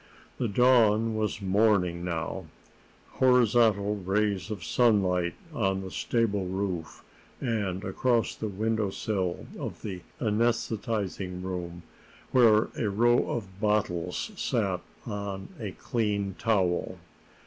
The dawn was morning now horizontal rays of sunlight on the stable roof and across the windowsill of the anaesthetizing room, where a row of bottles sat on a clean towel.